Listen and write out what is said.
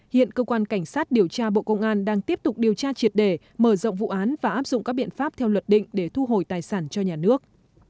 hiện cơ quan cảnh sát điều tra bộ công an đang tiếp tục điều tra triệt đề mở rộng vụ án và áp dụng các biện pháp theo luật định để thu hồi tài sản cho nhà nước